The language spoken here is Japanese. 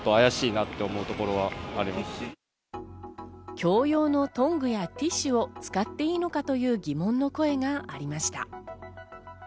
共用のトングやティッシュを使ってもいいのかという疑問の声がありました。